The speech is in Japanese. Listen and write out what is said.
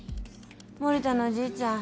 森田のじいちゃん